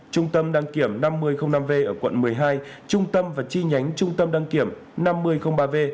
trung tâm đăng kiểm năm v ở quận một mươi hai trung tâm và chi nhánh trung tâm đăng kiểm năm mươi ba v